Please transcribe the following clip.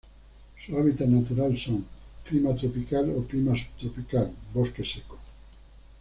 Su hábitat natural son: clima tropical o Clima subtropical, bosques secos.